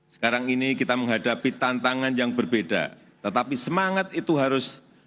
sekarang ini kita menghadapi tantangan yang berbeda tetapi semangat itu harus terkait dengan kemampuan kita